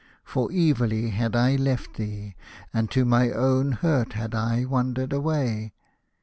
For evilly had I left thee, and to my own hurt had I wandered away.